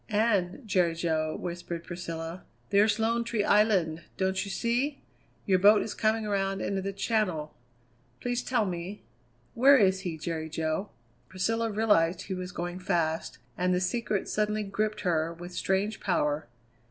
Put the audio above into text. "And, Jerry Jo," whispered Priscilla, "there's Lone Tree Island, don't you see? Your boat is coming around into the Channel. Please tell me where he is, Jerry Jo " Priscilla realized he was going fast, and the secret suddenly gripped her with strange power.